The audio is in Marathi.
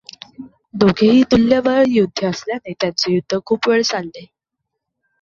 दोघेही तुल्यबळ योद्धे असल्याने त्यांचे युद्ध खूप वेळ चालले.